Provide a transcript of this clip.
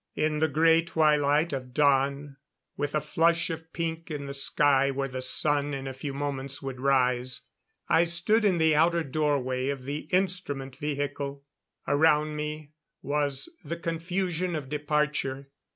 In the grey twilight of dawn with a flush of pink in the sky where the sun in a few moments would rise, I stood in the outer doorway of the instrument vehicle. Around me was the confusion of departure.